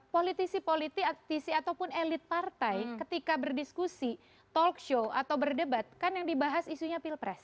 politisi politisi ataupun elit partai ketika berdiskusi talk show atau berdebat kan yang dibahas isunya pilpres